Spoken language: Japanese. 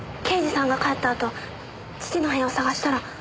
刑事さんが帰ったあと父の部屋を探したら。